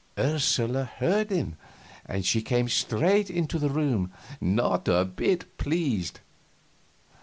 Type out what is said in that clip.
Ursula heard him, and she came straight into the room, not a bit pleased.